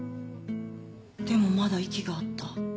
でもまだ息があった。